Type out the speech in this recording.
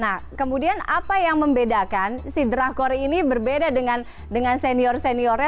nah kemudian apa yang membedakan si drakor ini berbeda dengan senior seniornya